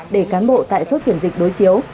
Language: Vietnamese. để cán bộ tại chốt kiểm dịch đối chiếu